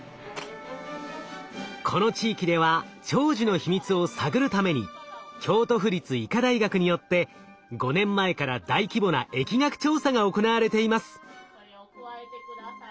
この地域では長寿の秘密を探るために京都府立医科大学によって５年前から大規模な疫学調査が行われています。